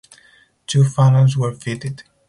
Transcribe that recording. Two funnels were fitted.